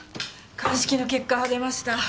鑑識の結果が出ました。